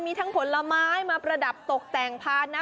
มีทั้งผลไม้มาประดับตกแต่งภานะ